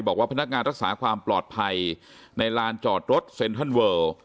บอกว่าพนักงานรักษาความปลอดภัยในลานจอดรถเซ็นทรัลเวอร์